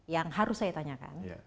yang harus saya tanyakan